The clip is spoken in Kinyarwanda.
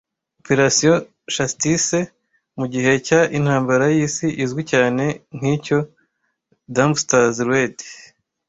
Operation Chastise mugihe cya intambara y'isi izwi cyane nkicyo Dambusters Raid